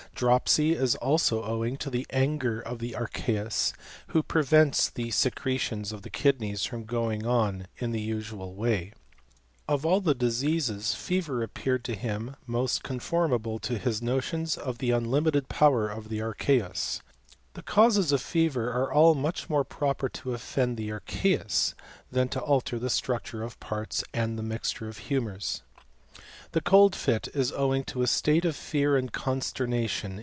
Dropsy is also owing toJ anger of the archeus, who prevents the secretioM the kidneys from going on in the usual 'way. i Of all the diseases, fever appeared to him most ■ formable to his notions of the unlimited power on archeus. The causes of fever are all much a proper to offend the archeus, than to alter the M ture of parts and the mixture of humours. The i fit is owing to a state of fear and consternation